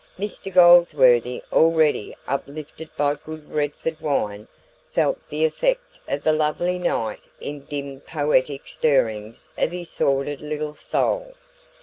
Mr Goldsworthy, already uplifted by good Redford wine, felt the effect of the lovely night in dim poetic stirrings of his sordid little soul.